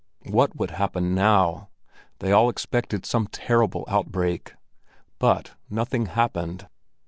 What would happen now? They all expected some terrible outbreak. But nothing happened.